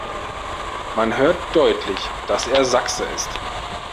Man hört deutlich, dass er Sachse ist.